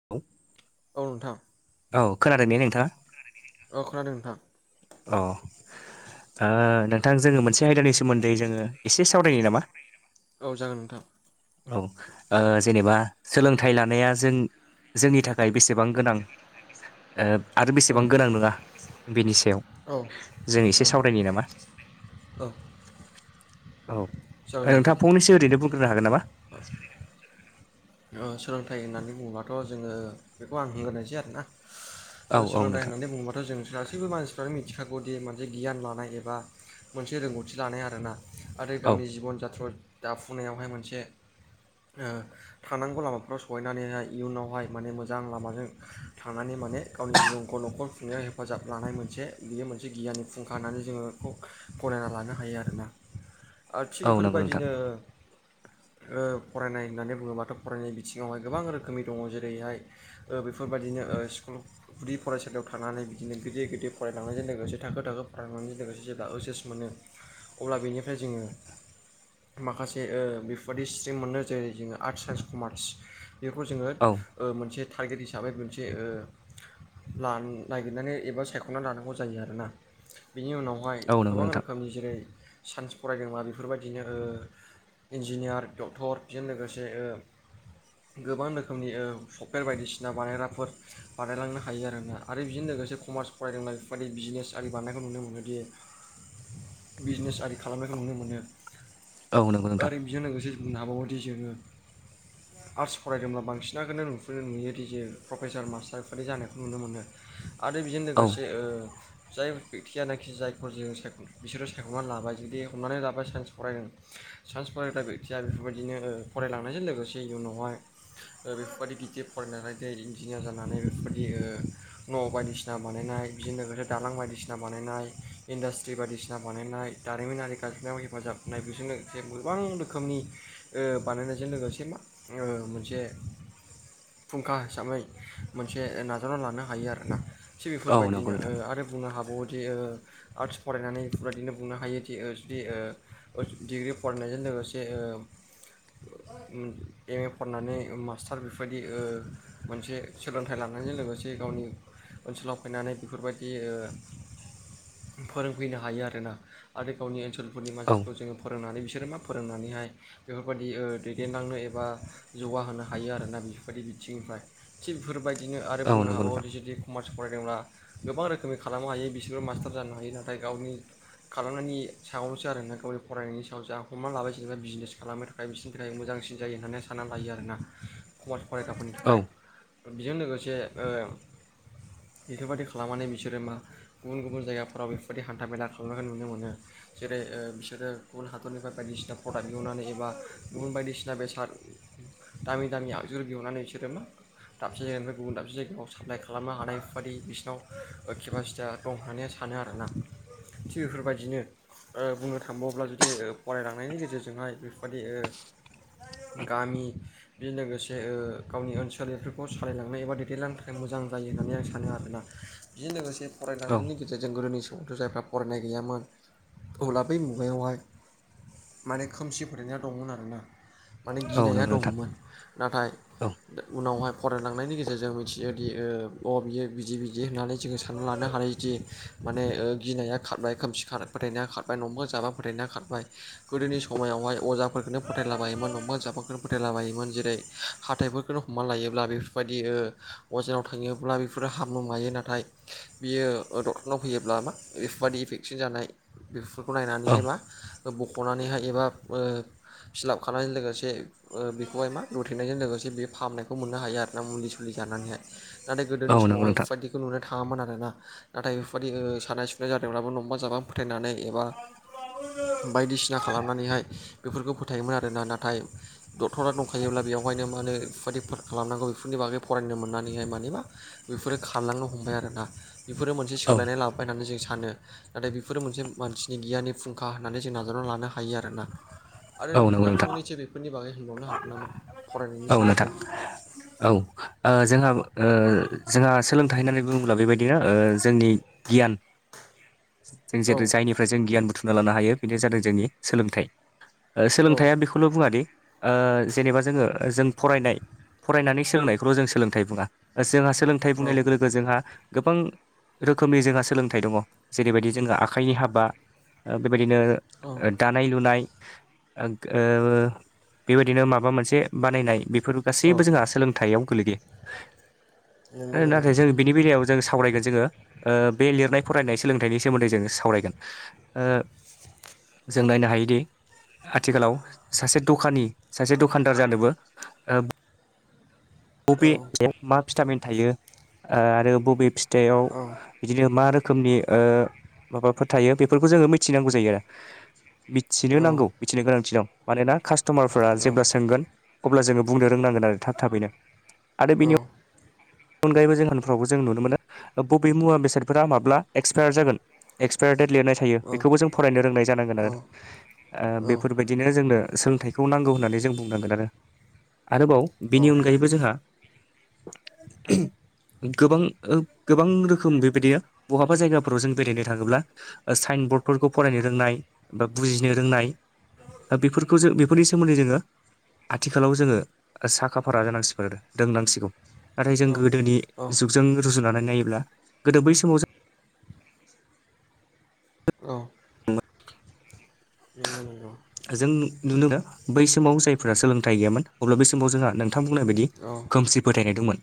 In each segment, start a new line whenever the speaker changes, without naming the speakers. [unintelligible]
औ नोंथां
औ खोनादों ने नोंथाङा
औ खोनादों नोंथां
अ ओ नोंथां जोङो मोनसे आयदानि सोमोन्दै जोङो एसे सावरायनो नामा
औ जागोन नोंथां
औ ओ जेनेबा सोलोंथाइ लानाया जों जोंनि थाखाय बेसेबां गोनां ओ आरो
औ
बेसेबां गोनां नङा बेनि सायाव
औ
जों
औ
एसे सावरायनो नामा
औ
औ
जागोन नोंथां
नोंथाङा फंनैसो ओरैनो बुंग्रोनो हागोन नामा
[unintelligible] ओ सोलोंथाइ होननानै बुङोबथ' जोङो बेखौ आं होनग्रोनायसै आरोना
औ औ
सोलोंथाइ
नोंथां
होननानै बुङोबाथ' जों गासैबो मानसि [unintelligible] मिथिखागौदि मोनसे गियान लानाय एबा मोनसे रोंगौथि लानाय आर ना।
औ
गावनि जिबन जात्र' जाफुंनायावहाय मोनसे ओ थांनांगौ लामाफ्राव सहैनानैहाय इयुनावहाय माने मोजां लामाजों थांनानै माने गावनि जिबनखौ न'खर खुंनायाव हेफाजाब लानाय मोनसे बियो मोनसे गियाननि फुंखा होननानै जोङो खौ गनायना लानो हायो आरोना आरो थिग
औ नंगौ नोंथां
बेफोरबायदिनो ओ फरायनाय होननानै बुङोबाथ' फरायनाय बिथिङावहाय गोबां रोखोमनि दङ जेरैहाय ओ बेफोरबायदिनो ओ स्कुल गुदि फरायसालियाव थानानै बिदिनो गिदिर गिदिर फरायलांनायजों लोगोसे थाखो थाखो फरायलांजों लोगोसे जेब्ला ओजस मोनो अब्ला बेनिफ्राय जोङो माखासे ओ बेफोरबादि स्ट्रिम मोनो जेरै जोङो आर्ट्स साइन्स कमार्स बेखौ जोङो
औ।
ओ मोनसे टारगेट हिसाबै मोनसे ओ नागिरनानै एबा सायख'नानै लानांगौ जायो आरोना बेनि उनाव बेहाय
औ नंगौ
गोबां
नोंथां
रोखोमनि जेरै साइन्स फरायदों मा बे बेफोरबायदिनो ओ इन्जिनियार, डक्टर बेजों लोगोसे गोबां रोखोमनि सफटवेर बायदिसिना बानायग्राफोर बानायलांनो हायो आरोना आरो बेजों लोगोसे कमार्स फरायदोंना बेफोरबायदि बिजनेस आरि बानायनायखौ नुनो मोनोदि
[inaudible]
बिजनेस आरि खालामनायखौ नुनो मोनो।
औ नंगौ नोंथां।
आरो बेजों लोगोसे बुंनो हाबावदि जोङो
औ [unintelligible]
आर्ट्स फरायदोंब्ला बांसिनखौनो [unintelligible] नुयो डज प्रफेसार मास्टारफोरि जानायखौ नुनो मोनो आरो बेजों
औ
लोगोसे ओ जाय बेक्तियानखि जायफोर जों बिसोरो सायख'नानै लाबाय जुदि हमनानै लाबाय साइनस फरायदों साइन्स फरायग्रा बेक्तया बेफोरबायदिनो ओ फरायलांनायजों लोगोसे इयुनावहाय ओ बेफोरबायदि गिदिर फरायनानै दै इन्जिनियार जानानै बेफोरबायदि ओ न' बायदिसिना बानायनाय बिजों लोगोसे दालां बायदिसिना बानायनाय इन्डास्ट्रि बायदिसिना बानायनाय। दारिमिनारि गाज्रिनायाबो हेफाजाब होननाय बेजोंनो जे गोबां रोखोमनि ओ बानायनायजों लोगोसे मा ओ मोनसे फुंखा हिसाबै मोनसे नाजाना लानो हायो आरोना। थिग
औ नंगौ
बेफोरबायदिनो ओ
नोंथां
आरो बुंनो हाबावोदि ओ आर्ट्स फरायनानै बेदिनो बुंनो हायोदि ओ जुदि ओ डिग्रि फरायनायजों लोगोसे ओ एम ए फरायनानै मास्टार बेफोरबायदि मोनसे सोलोंथाइ लानायजों लोगोसे गावनि ओनसोलाव फैनानै बेफोरबायदि ओ फोरोंफैनो हायो आरोना आरो गावनि ओनसोलफोरनि मा
औ
बे जोङो फोरोंनानै बिसोरो मा फोरोंनानैहाय बेफोरबायदि ओ दैदेनलांनो एबा जौगाहोनो हायो आरोना बेफोरबायदि बिथिंनिफ्राय थिग बेफोरबायदिनो आरो
औ
बुंनो
नंगौ
हाबावो
नोंथां
जुदि कमार्स फरायदोंब्ला गोबां रोखोमनि खालामनो हायो बिसोरबो मास्टार जानो हायो नाथाय गावनि खालामनायनि सागायावावनोसै आरो ना गाव फरायनायनि सायाव जा हमना लाबाय जेनेबा बिजनेस खालामनो थाखाय बिसोरनि थाखाय मोजांसिन जायो होननानै सानना लायो आरोना। कमार्स फरायग्राफोरनि
औ
थाखाय बेजों लोगोसे ओ बेफोरबायदि खालामनानै बिसोरो मा गुबुन - गुबुन जायगाफोराव बेफोरबायदि हान्था - मेला खालामनायखौ नुनो मोनो। जेरै ओ बिसोरो गुबुन हादरनिफ्राय बायदिसिना प्रडाक्ट एवनानै एबा गुबुन बायदिसिना बेसाद दामि दामि आगजु बिहरनानै बिसोरो मा दाबसे जायगानिफ्राय गुबुन दाबसे जायगायाव साप्लाइ खालामनो हानाय बेफोर बादि बिसिनाव ओ केपासिटिया दं होननानै आं सानो आरोना थिग बेफोरबायदिनो ओ बुंनो थांबावब्ला जुदि ओ फरायलांनायनि गेजेरजोंहाय बेफोरबायदि ओ गामि, बि लोगोसे गावनि ओनसोलनिफोरखौ सालायलांनो एबा दैदेनलांनो थाखाय मोजां जायो होननानै आं सानो आरोना, बिजों लोगोसे
औ
फरायलांनायनि गेजेरजों गोदोनि समावथ' जायफ्रा फरायनाय गैयामोन अब्ला, बै मुगायावहाय माने खोमसि फोथायना दंमोन आरोना, माने
औ
गिनाया
नंगौ नोंथां
दङमोन नाथाय,
औ
उनावहाय फरायलांनायनि गेजेरजों मिथियो दि ओ अ बियो बिदि बिदि होननानै जोङो सानना लानो हानाय। जि माने गिनाया खारबाय खोमसि फोथायनाया खारबाय न'बा जाबा फोथायनाया खारबाय, गोदोनि समायावहाय अजाफोरखौनो फोथायलाबायोमोन नंबा जाबांखोनो फोथायलाबायोमोन जेरै हाथाइफोरखोनो हमना लायोब्ला बेफोरबायदि ओ अजानाव थाङोब्ला बेफोरो हाबमो मायो नाथाय, बियो डक्टरनाव फैयोब्ला मा बेफोरबायदि इभेकसन जानाय। बेफोरखौ
औ
नायनानैहाय मा बख'नानैहाय एबा ओ फिलाप खालामनायजों लोगोसे ओ बेखौहाय मा दुमथेनायजों लोगोसे बे फाहामनायखौ मोननो हायो आरो ना मुलि सुलि जानानैहाय, नाथाय गोदोनि
औ नंगौ
समावहाय
नोंथां
बेफोरबायदिखौ नुनो थाङामोन आरोना, नाथाय बेफोरबायदि सानाय सुनाय जादोंब्लाबो नंबा जाबां फोथायनानै एबा, बायदिसिना खालामनानैहाय बेफोरखौ फोथायोमोन आरोना नाथाय, डक्टरा दंखायोब्ला बेवहायनो मा होनो बेफोरबायदि फार खालामनांगौ बेफोरनि बागै फरायनो मोननानैहाय मानिबा बिफोरो खारलांनो हमबाय आरोना, इफोरो मोनसे
औ
सोलायनाय लाबोबाय होननानै जों सानो नाथाय बिफोरो मोनसे, मानसिनि गियाननि फुंखा होननानै जों नाजावना लानो हायो आरोना, आरो
औ नंगौ
नोंथाङा
नोंथां
फंनैसो बेफोरनि बागै होनबावनो हागोन नामा फरायनायनि
औ नोंथां
सोमोन्दै,
औ ओ जोंहा ओ जोंहा सोलोंथाइ होननानै बुङोब्ला बेबायदिनो ओ जोंनि, गियान, जों
औ
जेरै जायनिफ्राय जों गियान बुथुमना लानो हायो बेनो जादों जोंनि सोलोंथाइ,
औ
सोलोंथाइ बेखौल' बुङादि ओ जेनेबा जोङो जों फरायनाय फरायनानै सोलोंनाय, र'जों सोलोंथाइ बुङा जोंहा सोलोंथाइ
औ
बुंनाय लोगो लोगो जोंहा, गोबां रोखोमनि जोंहा सोलोंथाइ दङ जेरैबायदि जोंहा आखाइनि हाबा, ओ बेबायदिनो
औ
ओद दानाय लुनाय ओ बेबायदिनो माबा मोनसे बानायनाय बेफोर
औ
गासैबो जोंहा सोलोंथाइयाव
नंगौ
गोलैयो
नंगौ
नाथाय जों बिनि बेलायाव, जों सावरायगोन जोङो ओ बे लिरनाय फरायनाय सोलोंथाइनि सोमोन्दै जों सावरायगोन ओ, जों नायनो हायोदि, आथिखालाव सासे द'खानि सासे दखानदार जानोबो,
औ
बबे फिथाइया मा भिटामिन थायो आरो बबे फिथाइआव,
औ
बिदिनो मा रोखोमनि ओ माबाफोर थायो बेफोरखौ जोङो मिथिनांगौ जायो आरो मिथिनो
औ औ
नांगौ मिथिनो गोनांथि दं मानोना कास्ट'मारफोरा जेब्ला सोंगोन, अब्ला जोङो बुंनो रोंनांगोन आरो थाब थाबैनो आरो
औ
बिनियाव बेनि अनगायैबो जोंहा उनफ्रावबो जों नुनो मोनो बबे मुवा बेसादफोरा माब्ला एक्सपायार जागोन? एक्सपायार देट लिरनाय थायो बेखौबो जों फरायनो रोंनाय जानांगोन आरो
औ
बेफोरबायदि, बिदिनो जोंनो सोलोंथाइखौ नांगौ होननानै जों बुंनांगोन आरो आरोबाव
औ
बेनि अनगायैबो जोंहा, [unintelligible] गोबां गोबां रोखोम बेबायदि बहाबा जायगाफोराव जों बेरायनो थाङोब्ला, साइन बरर्डफोरखौ फरायनो रोंनाय बा बुजिनो रोंनाय, बेफोरखौ जों बेफोरनि सोमोन्दै जोङो। आथिखालाव जोङो साखा फारा जानांसिगोन आरो रोंनांसिगौ, नाथाय जों
औ
गोदोनि
औ
जुगजों रुजुनानै नायोब्ला गोदो बै समाव जों,
औ
[unintelligible]
नोंगौ नोंगौ।
जों नुनो दा बै समाव जायफोरा सोलोंथाइ गैयामोन अब्ला बै समाव जोंहा नोंथां बुंनाय बायदि
औ
खोमसि फोथायनाय दंमोन।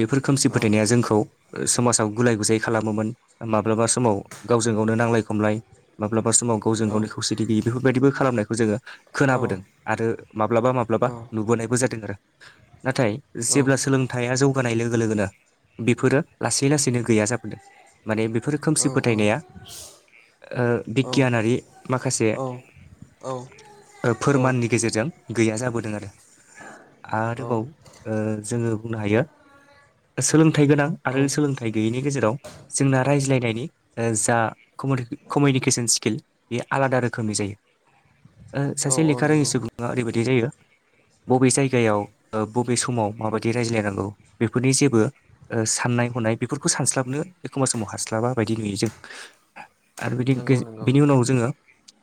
बेफोर खोमसि
औ
फोथायनाया जोंखौ समाजाव गुलाय गुजाय खालामोमोन माब्लाबा समाव गावजों गावनो नांलाय खमलाय माब्लाबा समाव गावजों
औ
गावनो खौसेथि गैयि बेफोरबायदिबो खालामनायखौ जोङो
औ
खोनाबोदों आरो माब्लाबा
औ
माब्लाबा नुबोनायबो जादों आरो। नाथाय
औ
जेब्ला सोलोंथाइया जौगानाय लोगो लोगोनो बेफोरो लासै लासैनो गैया जाबोदों माने बेफोरो खोमसि फोथायनाया ओ बिगियानारि माखासे
औ।
ओ फोरमाननि गेजेरजों गैया जाबोदों आरो। आरोबाव ओ जोङो बुंनो हायो सोलोंथाइ गोनां आरो सोलोंथाइ गैयैनि गेजेराव जोंना रायज्लायनायनि ओ जा कमिनि कमिनिकेसन स्किल बे आलादा रो खोमनि जायो ओ
औ
सासे लेखा रोङि
औ
सुबुङा ओरैबायदि जायो बबे जायगायाव ओ बबे समाव माबायदि रायज्लायनांगौ बेफोरनि जेबो ओ साननाय हनाय बेफोरखौ सानस्लाबनो एखमबा समाव हास्लाबा बायदि नुयो जों। आरो बिदि गै
नंगौ नंगौ
बिनि उनाव जोङो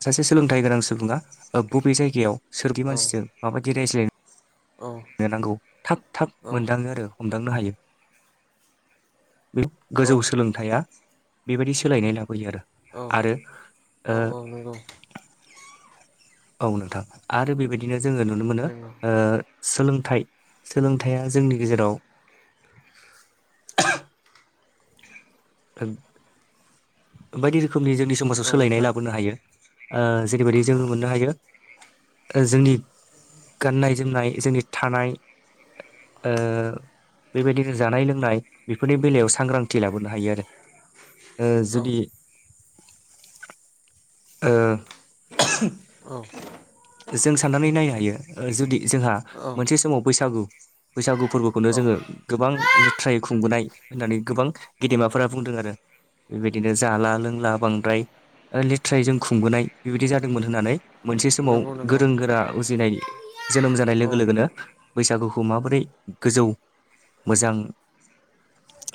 सासे सोलोंथाइ गोनां सुबुङा ओ बबे जायगायाव सोरदि
औ
मानसिजों माबादि रायज्लाय
औ
नो नांगौ थाब थाब मोनदाङो आरो हमदांनो हायो। गोजौ सोलों
औ
थाया बेबायदि सोलायनाय लाबोयो आरो। आरो ओ
नोंगौ।
औ नोंथां आरो बेबायदिनो जोङो नुनो मोनो
नंगौ
ओ सोलोंथाइ सोलोंथाइया जोंनि गेजेराव गोन बायदि रोखोमनि जोंनि
औ
समाजाव सोलायनाय
नोंथां
लाबोनो हायो। ओ जेरैबायदि जोङो मोननो हायो जोंनि गाननाय जोमनाय जोंनि थानाय ओ बेबायदिनो जानाय लोंनाय बेफोरनि बेलायाव सांग्रांथि लाबोनो हायो आरो। ओ
औ
जुदि ओ
औ।
जों साननानै नायनो हायो ओ जुदि जोंहा
औ
मोनसे समाव बैसागु बैसागु फोरबोखौनो जोङो गोबां लेथ्रायै खुंबोनाय होननानै गोबां गेदेमाफोरा बुंदों आरो। बेबायदिनो जाला लोंला बांद्राय ओ लेथ्रायै जों खुंबोनाय बेबायदि जादोंमोन होननानै मोनसे समाव
नंगौ नंगौ
गोरों गोरा उजिनाय जोनोम जानाय
औ
लोगो लोगोनो बैसागुखौ माबोरै गोजौ मोजां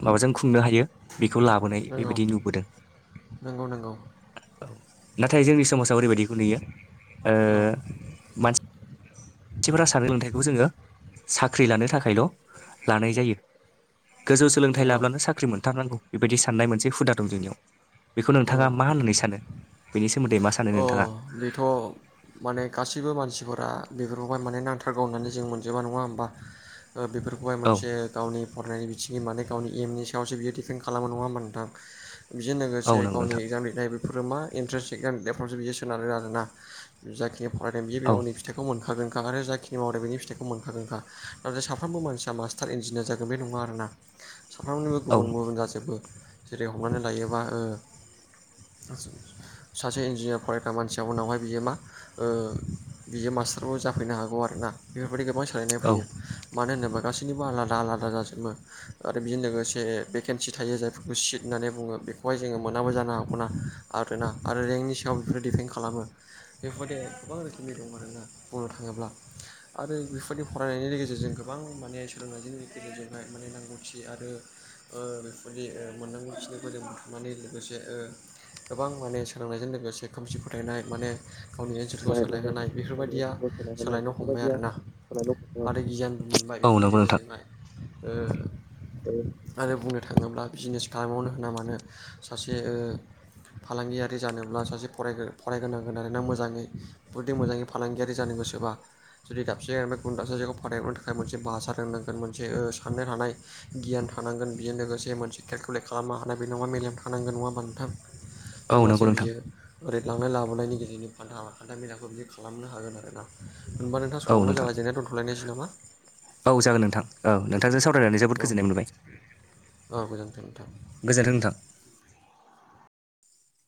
माबाजों खुंनो हायो बेखौ लाबोनाय बेबायदि नुबोदों।
नोंगौ नोंगौ।
औ नाथाय जोंनि समाजाव ओरैबायदिखौ नुयो ओ
औ
मान सिफ्रा सानो सोलोंथाइखौ जोङो साख्रि लानो थाखायल' लानाय जायो। गोजौ सोलोंथाइ
नंगौ
लाब्लानो साख्रि मोनथारनांगौ बेबायदि साननाय मोनसे हुदा दं जोंनियाव। बेखौ नोंथाङा
नंगौ
मा होननानै सानो? बेनि सोमोन्दै मा सानो?
अ
नोंथाङा
बेथ' माने गासैबो मानसिफोरा बेफोरखौहाय माने नांथारगौ होननानै जों मोनजोबा नङा होमबा? ओ बेफोर खौहाय
औ
मोनसे गावनि फरायनायनि बिथिङै माने गावनि एमनि सायावसो बियो दिफेन्ड खालामो नङा होमबा नोंथां? बेजों
औ
लोगोसे
नंगौ
गावनि
नोंथां
इक्जाम लिरनाय बेफोरो मा इन्ट्रेन्स एक्जाम नायफ्रावसो बियो सोनारो आरो आरोना जाखिनि फरायदों बियो
औ
गावनि फिथाइखौ मोनखागोनखा आरो जाखिनि मावदों बेनि फिथाइखौ मोनखागोनखा नाथाय साफ्रोमबो मानसिया मास [unintelligible] इन्जिनियार जागोन बे नङा आरो ना साफ्रोमनिबो
औ
गुबुन गुबुन जाजोबो। जेरै हमनानै लायोबा ओ सासे इन्जिनिर फरायग्रा मानसिया उनावहाय बियो मा ओ बियो मास्टारबो जाफैनो हागौ आरो ना? बेफोरबायदि गोबां सोलायनाय
औ
फैयो मानो होनोबा गासैबो आलादा आलादा जाजोबो आरो बेजों लोगोसे भेकेन्सि थायो जायफोरखौ सिट होननानै बुङो बेखौहाय जोङो मोनाबो जानो हागौना आरोना आरो रेंकनि सायाव बेफोरो डिपेन्ड खालामो बेफोरबायदि गोबां रोखोमनि दं आरोना बुंनो थाङोब्ला आरो बेफोरबायदि फरायनायनि गेजेरजों गोबां माने सोलोंनि गेजेरजोंहाय माने नांगौथि आरो बेफोरनि मोननांगौ फिनायखौ जों बुथुमनानै लोगोसे गोबां माने सोलोंनायजों लोगोसे ए खोमसि फोथायनाय माने गावनि ओनसोलखौ सोलायहोनाय बेफोरबायदिया सोलायनो हमबाय आरोोना आरो गियानबो मोनबाय
औ
बेफोरनि गेजेरजोंहाय
औ
आरो बुंनो थाङोब्ला बिजनेस खालामबावनो होना मानो सासे फालांगियारि जानोब्ला सासे फराय फरायग्रोनांगोन आरोना मोजाङै जुदि मोजाङै फालांगियारि जानो गोसोबा जुदि दाबसे जाय बे गुबुन दाबसे जायगायाव फाथायहरनो थाखाय मोनसे भाषा रोंनांगोन मोनसे साननाय थानाय गियान थानांगोन बेजों लोगोसे मोनसे केलकुलेट खालामनो हानाय बे नङा मेलेम थानांगोन नङा होम्बा नोंथां?
औ
होनबासो
नंगौ नोंथां
बियो ओरैनो लांनाय लाबोनायनि गेजेरजों हान्था मेलाखौ बिदि खालामनो हागोन आरोना होनबा नोंथां समाबो जाबाय जोंना दा दोनथ'लायनायसै नामा
औ जागोन नोंथां औ नोंथांजों सावरायनानै जोबोद
औ
गोजोननाय मोनबाय।
औ गोजोन्थों नोंथां
गोजोन्थों नोंथां।